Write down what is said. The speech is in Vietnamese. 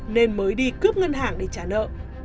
nên mới đi cướp ngân hàng để trả nợ